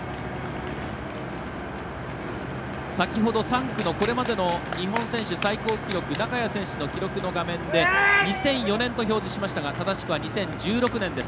先ほど、３区のこれまでの日本選手最高記録の中谷選手の記録の画面で２００４年と表示しましたが正しくは２０１６年です。